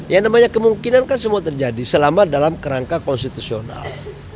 yang namanya kemungkinan kan semua terjadi selama dalam kerangka konstitusional